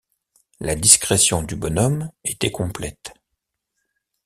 La discrétion du bonhomme était complète.